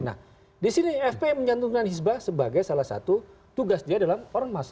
nah di sini fpi mencantumkan hisbah sebagai salah satu tugas dia dalam ormas